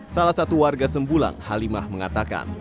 salah satu warga sembulang halimah mengatakan